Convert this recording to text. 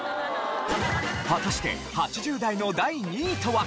果たして８０代の第２位とは？